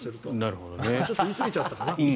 ちょっと言いすぎちゃったかな。